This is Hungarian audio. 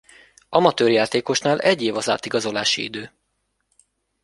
Amatőr játékosnál egy év az átigazolási idő.